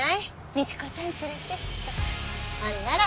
みち子さん連れてほんなら。